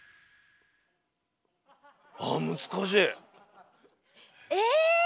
あ難しい。え？